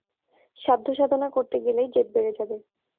সাধ্যসাধনা করতে গেলেই জেদ বেড়ে যাবে।